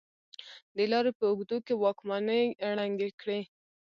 د لارې په اوږدو کې واکمنۍ ړنګې کړې.